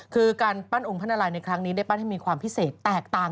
คือการปั้นองค์พระนาลัยในครั้งนี้ได้ปั้นให้มีความพิเศษแตกต่าง